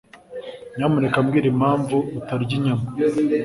Nyamuneka mbwira impamvu utarya inyama.